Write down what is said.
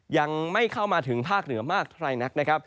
ยังไม่เข้ามาถึงภาคเหนือมากใครนักนะครับ